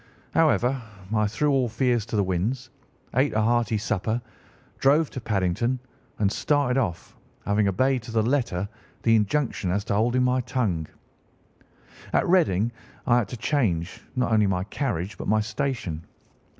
However, I threw all fears to the winds, ate a hearty supper, drove to Paddington, and started off, having obeyed to the letter the injunction as to holding my tongue. "At Reading I had to change not only my carriage but my station.